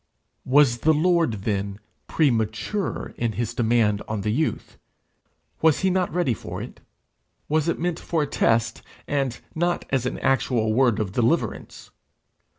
Was the Lord then premature in his demand on the youth? Was he not ready for it? Was it meant for a test, and not as an actual word of deliverance?